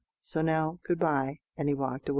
So now, good bye;" and he walked away.